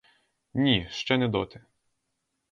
Ні, ще не доти!